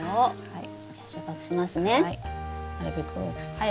はい。